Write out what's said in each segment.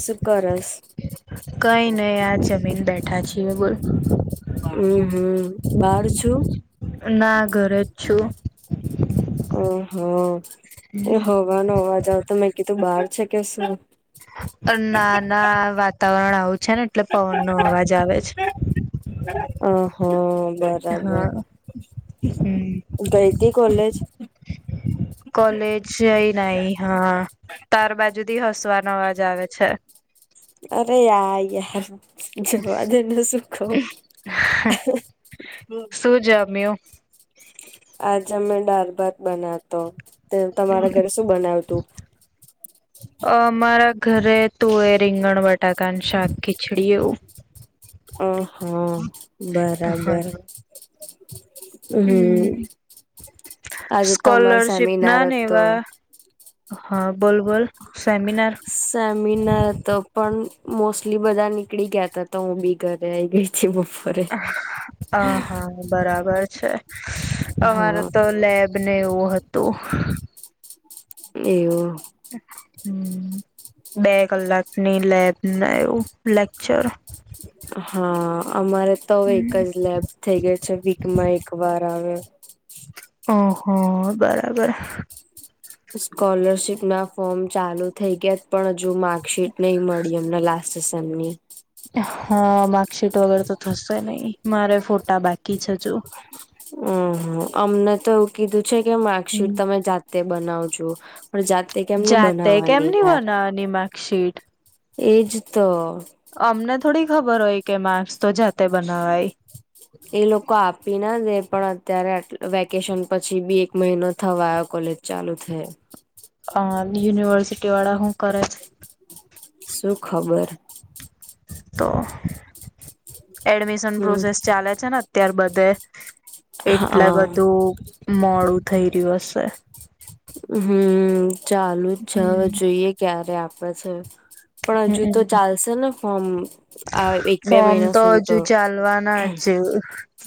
શું કરેસ? કઈ નઈ આ જમીને બેઠા છીએ બોલ. હમ હમ, બાર છું. ના ઘરે જ છું. અ હ, હવાનો અવાજ આવતો મેં કીધું બહાર છે કે શું. નાના વાતાવરણ આવું છે ને એટલે પવનનો અવાજ આવે છે. અ હ. બરાબર હા ગઈ તી કોલેજ. ૃ [unintelligible] કોલેજ જઈ નઈ હા તાર બાજુથી હસવાનો અવાજ આવે છે. અરે [unintelligible] જવા દેને શું ક‌ઉ. શું જમ્યો? આજે અમે દાળ ભાત બનાવતો તમારા ઘરે શું બનાવતું? અમારા ઘરે તુવે એ રીંગણ બટાકાનું શાકી. છીડિયે ઉ. અ હા હા બરાબર. હમ, આજે તમારો સ્કોલરશીપ ના સેમિનાર ને હતો. એવા હા, બોલ બોલ સેમિનાર સેમિનાર તો પણ મોસ્ટલી બધા નીકળી ગયાતા હું બી ઘરે આઈ ગઈથી આ હા, બરાબર છે અમારો હા તો લેબ ને એવું હતું. એવું. બે કલાકની લેબને એવું લેક્ચર. હા અમારે તો એક જ લેબ થઈ ગઈ છે વીકમાં એક વાર આવે. હા હા બરાબર. સ્કોલરશીપ ના ફોર્મ ચાલુ થઈ ગયા પણ હજુ માર્કશીટ નહી મળી એમને લા. સ્સમની. હા માર્કશીટ વગર તો થશે નહી મારે ફોટા બાકી જજુ. હમ હમ અમને તો એવું કીધું છે કે માર્કશીટ તમે જાતે બનાવજો. પણ જાતે કેમનું જાતે કેમ બનાવવાની નહી યાર. બનાવાની માર્કશીટ. એજ તો. અમને થોડી ખબર હોય કે માર્ક્સ તો જાતે બનાવાય. એ લોકો આપી ના દે પણ અત્યારે વેકેશન પછી બી એક મહિનો થવાયો કોલેજ. ચાલુ થાય. અ યુનિવર્સિટી વાળા હું કરે. શું ખબર. તો એડમિશન હમ પ્રોસેસ ચાલે છે ને અત્યાર બધે. એટલા હા બધું મોડું થઈ રહ્યું હશે. હમ્મ ચાલુ જ છે હવે હમ જોઈએ ક્યારે આપડ છે. પણ હજુ તો હમમ. ચાલશે ને ફોર્મ. આ એક બે ફોર્મ મહિના તો સુધી હજુ ચાલવાના છે.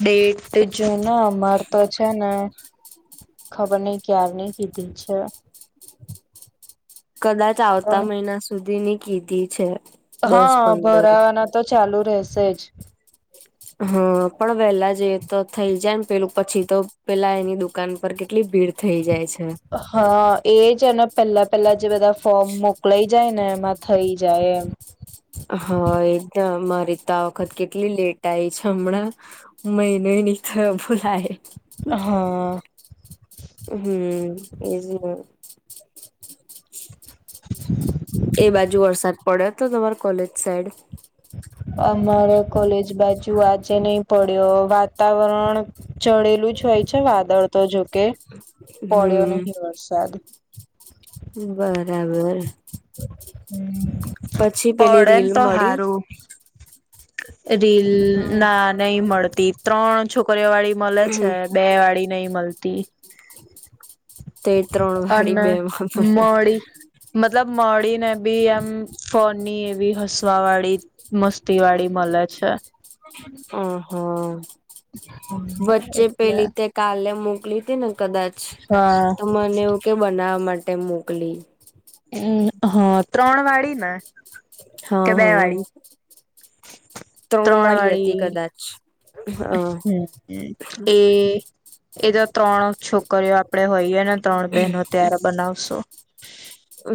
ડેટ જોને અમાર તો છે ને. ખબર નહ ક્યારની કીધી છે. કદાચ પણ આવતા મહિના સુધી ની કીધી છે. દસ હા પંદર ભરાવાના તો ચાલુ રહેશે જ. હા પણ વેલા જે તો થઇ જાય ને પેલું પછી તો પેલા એની દુકાન પર કેટલી ભીડ થઈ જાય છે. હા એજ એને પહેલા પહેલા જે બધા ફોર્મ મોકલાઈ જાય ને એમાં થઈ જાય એમ. હાદ અરી તો આ વખત કેટલી લેટ આઈ છે હમણાં. મહિનોની તો ભૂલાય. હા. હમ્મ એ જ ને. [inaudible] એ બાજુ વરસાદ પડ્યો હતો તમાર કોલેજ સાઈડ. અમારે કોલેજ બાજુ આજે નહી પડ્યો વાતાવરણ ચડેલું જ હોય છે વાદળ તો જોકે પડ્યો હમ નહી વરસાદ. બરાબર. હમ્મ પછી પેલી પડેને રીલ તો મળી હારુ. રીલ અ ના નહી મળતી ત્રણ છોક પર્યાવાડી મળે છે. બે વાળી નહી મળતી તે ત્રણ ગાડી અને બે માં પણ. મળી મતલબ મળડી ને બી એમ. ફની એવી હસવા વાળી મસ્તી વાળી મળે છે. આ હા વચ્ચે એટલે પેલી તો. કાલે મોકલી હતી ને કદાચ હા તો મને એવું કે બનાવા માટે મોકલી. હમ્મ હ ત્રણ વાળી ને. કે હા બે હા. વાળી ત્રણ વાળી હતી કદાચ હમ એ એ તો ત્રણ છોકરીઓ આપણેે હોઈએ ને ત્રણ બહેનો ત્યારે બનાવશો.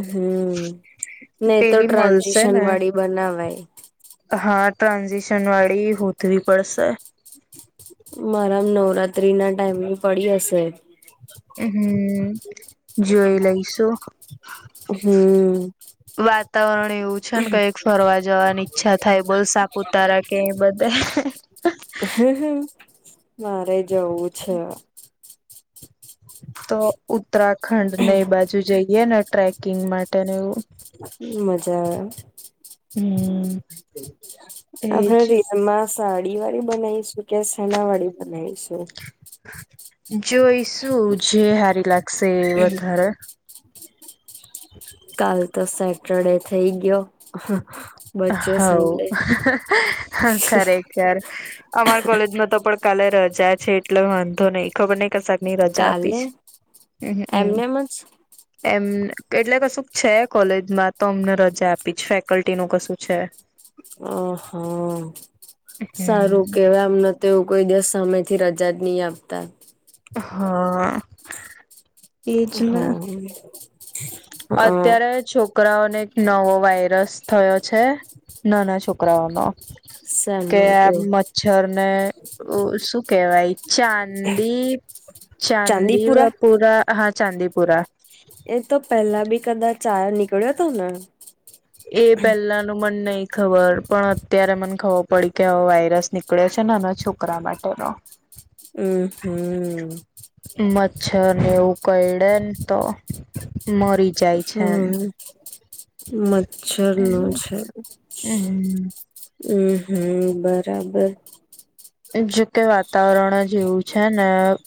હમ નહી તો પેલી મળશે ટ્રાન્ઝિશન ને વાળી બનાવાય. હા ટ્રાન્ઝેશન હોદવી પડશે. માર મા નવરાત્રી ના ટાઈમ પડી હશે. હમ્મ જોઈ લઈશું. વાતાવરણ એવું છે ને કંઈક ફરવા જવાની ઈચ્છા થાય બોલ સાપુતારા કે બધે હ મારે જવું છે. તો ઉત્તરાખંડને એ બાજુ જઇને ટ્રેકિંગ માટે ને એવુ મજા આવે. હમ આપણે એજ રીલમાં સાડી વાળી બનાવીશું કે સના વાળી બનાવીશું? જોઈશું જે સારી લાગશે એ વધારે. કાલ તો સેટરડે થઈ ગયો. હા. હોવ ખરેખર. અમારે કોલેજમાં તો પણ કાલે રજા છે એટલે વાંધો નહી ખબર નહિ કદાચ ની રજા આપી કાલે છે હમમ એમનેમ જ એમ એટલે કશું છે કોલેજમાં તો અમને રજા આપી જ ફેકલ્ટી નું કશું છે. અહા સારું હમ. કેવાય અમને તો નહીં તેઓ કોઈ દસ સમય થી રજા જ નહી આપતા. હા. એજ ને હા. હ. અત્યારે છોકરાઓને એક નવો વાયરસ થયો છે નાના છોકરાઓનો કે સાનું આમ કેવું. મચ્છર ને ઓ શું કેહેવાય ચાંદી ચાંદી ચાંદીપુરા પુરા હા ચાંદીપુરા એ તો પેલા બી કદાચ નીકળ્યો હતો ને? એ પેલાનું મને નહિ ખબર પણ અત્યારે મને ખબર પડી કે હવે વાયરસ ની નીકળ્યો છે નાના છોકરા માટેનો હમ હમ. મચ્છરને એવું કરડેને તો મરી જાય છે હમ. મચ્છર એમ [inaudible] છે. હમ હમ હમ બરાબર. જોકે વાતાવરણ જેવું છે ને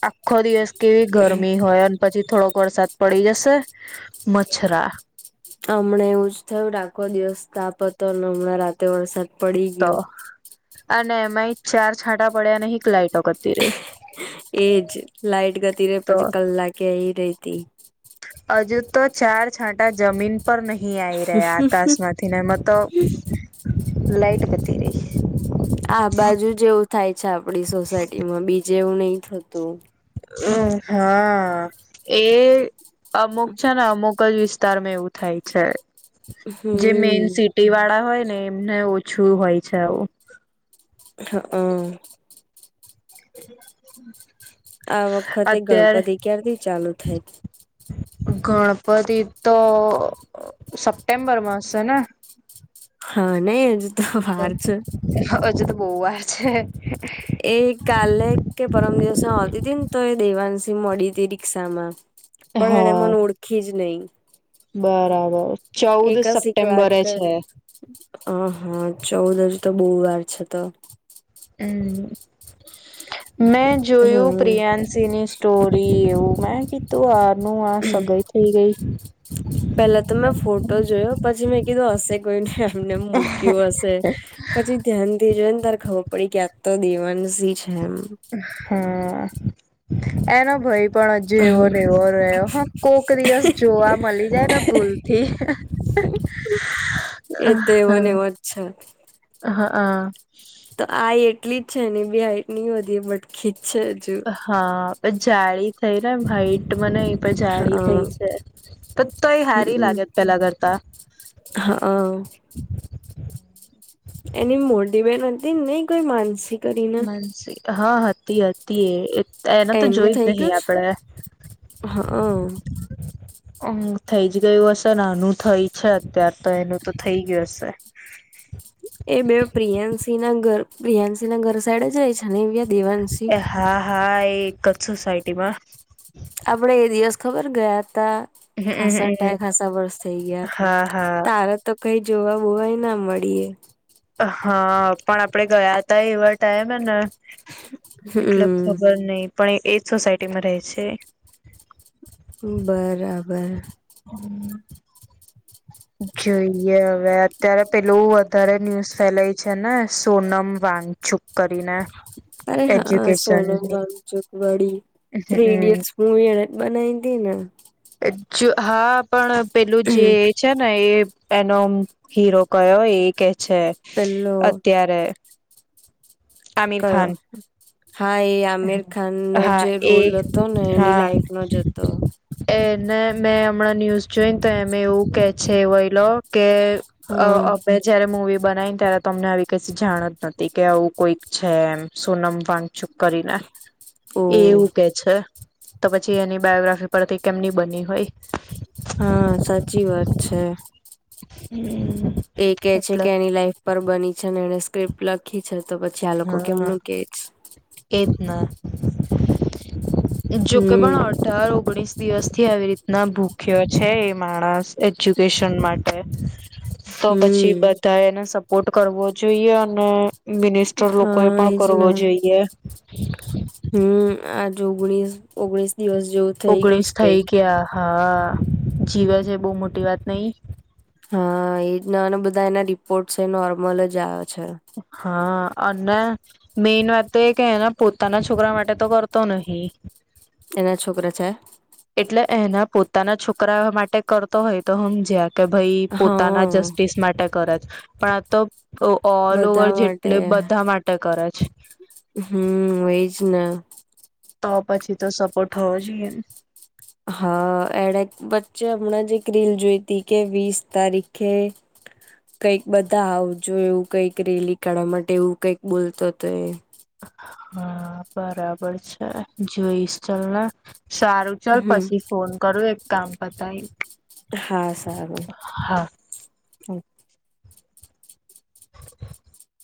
આખો દિવસ કેવી ગરમી હોય. પછી થોડોક વરસાદ પડી જશે. હમ. મચ્છરા હમણાં એવું જ થયું આખો દિવસ તાપ હતો હમણાં રાતે વરસાદ પડી તો ગયો અને એમાંય ચાર છાંટા પડ્યા અને એક લાઈટો કરતી રહી. એજ લાઈટ જતી રે તો પછી કલાકે એ રહીને આવે અજુ તો ચાર છાંટા જમીન ઉપર નહી આવી રહ્યા આકાશ માંથી એમાં તો લાઈટ જતી રહી. હા બાજુ જવું થાય છે આપડી સોસાયટી માં બીજે એવું નહી થતું. હ હા એ અમુક છે ને અમુક જ વિસ્તારમાં એવું થાય છે જે મેઈન હમ ટી વાળા હોય ને એમને ઓછું હોય છે આવું. હા અ. આ વખતે અત્યારે ગણપતિ ક્યારથી ચાલુ થાય? ગણપતિ તો સપ્ટેમ્બરમા હશે ને? હા નઈ એને તો વાર છે. હ અજુ તો બઉ વાર છે. એ કાલે કે પરમ દિવસ હું આવતી હતી ને તો એ દેવાંશી મળી હતી રિક્ષામાં. પણ એને હા મને ઓળખી જ નહીં. બરાબર, ચૌદ જ એક વાત સપ્ટેમ્બરે કર છે. હ હા ચૌદ અજુ તો બઉ વાર છે તો. હમ્મ, મેં જોયું હમ પ્રિયા શેની સ્ટોરી એવું મેં ના કીધું આનું આ સગાઈ થઈ ગઈ. પેલા તો મેં ફોટો જોયો પછી મેં કીધું અશે કોઈનું એમનેમ મૂક્યું હશે. પછી ધ્યાનથી જોઈને તયારે ખબર પડી કે આ તો દેવાંશી છે એમ. હમ્મ, એનો ભય પણ અજુ એવો ને એવો રહ્યો હ કોક દિવસ જોવા મલી જાયને ભૂલથી. હ એ તો એવોન એવો જ છે. હા આ. તો આય એટલી જ છે ને એની બી હાઈટ નઈ વધી બટકી જ છે. હજુ હા પછી જાળી કયરાને ભાઈ. તો મને એ પણ જાડી હા થઈ છે પણ તોય હારી લાગે પેલા કરતાં. હ અ. એની મોટી બેન હતી નઈ કોઈ માનસી. કરીને માનસી હા હતી હતી એ એને તો એનું જોઈ જ થઈ નહીં ગયું છે આપડે. હા હમ્મ, થઈ જ ગયું હશે આનું થઈ છે અત્યાર તો એનું તો થઈ ગયું હશે. એ બેવ પ્રિયાશીના ઘર પ્રિયાંશીના ઘર સાઈડે જ રેય છે ને. દેવાંશી હા હા એ એક જ સોસાયટીમાં. આપણે એ દિવસ ખબર ગયાં તા. ખાસ હમમ ટાઈ ખાસા વર્ષ થઈ ગયાં હા હા તારત તો કઈ જોવા બોવાય ના મળીએ. હા પણ આપડે ગયાં તા એવા ટાઈમેને. એટલે હમ ખબર નહિં પણ એ એજ સોસાયટીમાં રેય છે. બરાબર. હમ્મ. જોઈએ હવે અત્યારે પેલું વધારે ન્યુઝ ફેલાઈ છે ને સોનમ વાગ છુપ કરીને. અરે હા સોનમ એજ્યુકેશનની વાન્ગચુક વળી થ્રી હમ ઇડિયટ્સ મૂવી એણે જ બનાઈ તીને. જો હા પણ પેલું જે છે ને એ એનો હીરો કયો એ કે છે પેલો અત્યારે આમિર કયો ખાન હા એ આમિર ખાનનો હા જે એ રોલ હતો ને એની હા લાઈફ નો જ હતો. એને મેં હમણાં ન્યૂઝ જોઈને તો એમે એવું કે છે અવયલો કે અ હા અમે જયારે મૂવી બનાવીને ત્યારે તમને આવી કશી જાણ જ નતી કે આવું કોઈક છે એમ સોનમ વાન્ગચુક. કરીના ઓ એ એવું કે તો પછી એની બાયોગ્રાફી પરથી કેમની બની હોય? હા સાચી વાત છે. હમ એ કે છે કે એની લાઈફ પર બની છે ને એને સ્ક્રિપ્ટ લખી છે તો પછી આ લોકો કેમનું કે એ ના જોકે હમ પણ અઢાર ઓગણીસ દિવસ થી આવી રીતના ભૂખ્યો છે એ માણસ એજ્યુકેશન માટે તો પછી હમ બધા એને ટ કરો જોઈએ અને મિનિસ્ટર લોકોએ હા પણ એજ કરવો ને જોઈએ. હમ આજ ઓગણીસ ઓગણીસ દિવસ જેવું થઈ ગયું ઓગણીસ છે થઈ કઈક ગયા હા જીવે છે બહુ મોટી વાત નઈ હા એજ ના અને બધા એના રિપોર્ટસ એ નોર્મલ જ આવ છે. હા અને મેઈન વાત તો એ કે ને પોતાના છોકરા માટે તો કરતો નહીિ- એના છોકરા છે. એટલે એના પોતાના છોકરા માટે કરતો હોય તો હમ જ કે ભઈ પોતાના હા જસ્ટિસ માટે કરત પણ આ તો તો ઓલ ઓવર બધા માટે જેટલે બધા માટે કરે છે. હમ એજ ને તો પછી તો સપોર્ટ થવો જોઈએ હા એણે વચ્ચે હમણાં જે એક રીલ જોઈ હતી કે વીસ તારીખે કંઈક બધા આવજો એવું કઈક રેલી કાઢવા માટે એવું કઈક બોલતો હતો એ. હા બરાબર છે જોઈશ ચલ ને. સારું ચાલ હમ પછી ફોન કરો એક કામ પતાય ને. હા સારું.